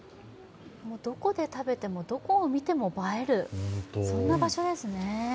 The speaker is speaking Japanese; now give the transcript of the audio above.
どこで食べても、どこを見ても映えるそんな場所ですね。